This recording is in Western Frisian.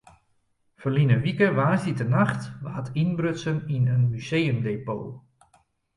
Ferline wike woansdeitenacht waard ynbrutsen yn it museumdepot.